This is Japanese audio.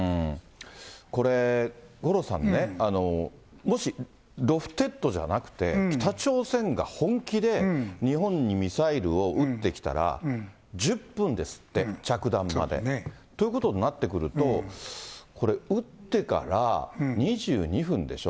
これ五郎さんね、もしロフテッドじゃなくて、北朝鮮が本気で日本にミサイルを撃ってきたら、１０分ですって、着弾まで。ということになってくると、これ、撃ってから２２分でしょ。